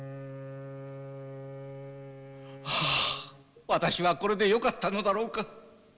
はあ私はこれでよかったのだろうか。